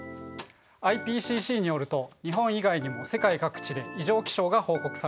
ＩＰＣＣによると日本以外にも世界各地で異常気象が報告されています。